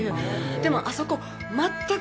でも、あそこ、全く。